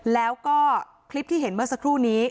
แล้วก็คลิปที่เห็นเมื่อสักครู่นี้